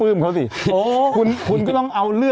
เอ๋ลูกเอ๋โตแล้วนะเอ๋